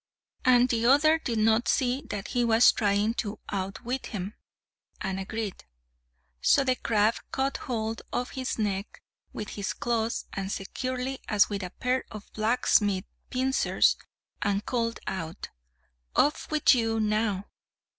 And the other did not see that he was trying to outwit him, and agreed. So the crab caught hold of his neck with his claws as securely as with a pair of blacksmith's pincers, and called out, "Off with you, now!"